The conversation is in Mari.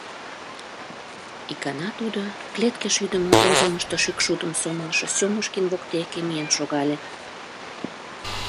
Ик гана тудо клеткеш ӱдымӧ озымышто шӱкшудым сомлышо Сёмушкин воктеке миен шогале.